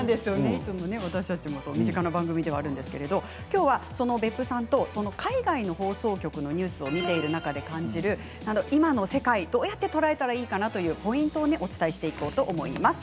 私たちも身近な番組ではあるんですけれども今日は別府さんと海外の放送局のニュースを見ている中で感じる今の世界をどうやって伝えたらいいのかというポイントをお伝えしていこうと思います。